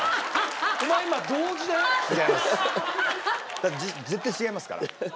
だって絶対違いますから。